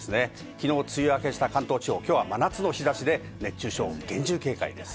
きのう梅雨明けした関東地方、きょうは真夏の日差しで熱中症、厳重警戒です。